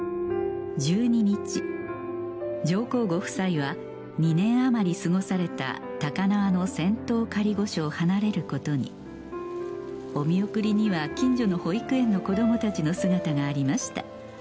１２日上皇ご夫妻は２年余り過ごされた高輪の仙洞仮御所を離れることにお見送りには近所の保育園の子どもたちの姿がありました